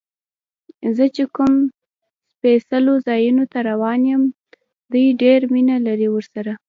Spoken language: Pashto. زه چې کوم سپېڅلو ځایونو ته روان یم، دې ډېر مینه لري ورسره.